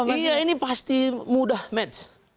iya ini pasti mudah match